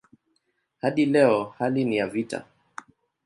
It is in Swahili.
Hadi leo hali ni ya vita.